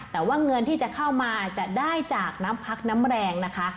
แต่ว่าเงินที่จะเข้ามาจะได้จากน้ำพักน้ำแรงนะคะ